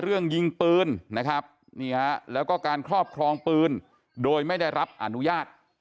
ยิงปืนนะครับนี่ฮะแล้วก็การครอบครองปืนโดยไม่ได้รับอนุญาต